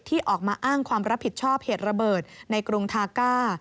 ที่ออกมาอ้างความรับผิดชอบเหตุระเบิดในกรุงทาก้า